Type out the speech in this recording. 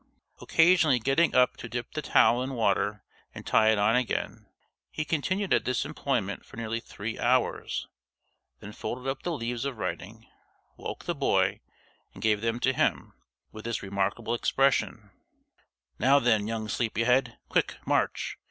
Occasionally getting up to dip the towel in water and tie it on again, he continued at this employment for nearly three hours; then folded up the leaves of writing, woke the boy, and gave them to him, with this remarkable expression: "Now, then, young sleepy head, quick march!